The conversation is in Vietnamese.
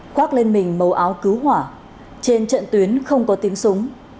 khoác lên mình màu áo cứu hỏa trên trận tuyến không có tiếng súng